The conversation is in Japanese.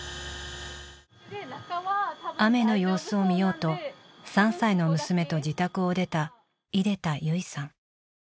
雨の様子を見ようと３歳の娘と自宅を出た出田唯さん。